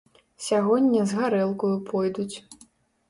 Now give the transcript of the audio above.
Сягоння з гарэлкаю пойдуць.